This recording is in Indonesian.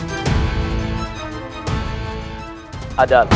yang menurut hamba layak